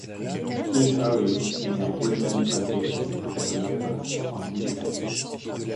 Kid Ory est né à Woodland Plantation près de LaPlace en Louisiane.